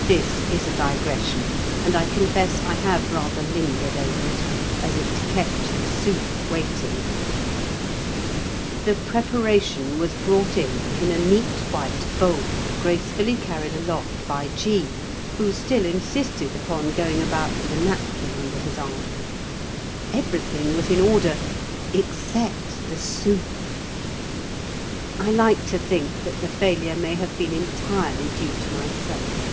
This is a digression, and I confess I have rather lingered over it, as it kept the soup waiting. The preparation was brought in in a neat white bowl gracefully carried aloft by G., who still insisted upon going about with a napkin under his arm. Everything was in order except the soup. I like to think that the failure may have been entirely due to myself.